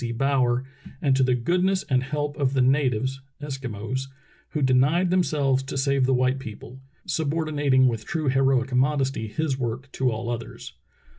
C. Brower, and to "the goodness and help of the natives [Eskimos], who denied themselves to save the white people," subordinating with true heroic modesty his work to all others.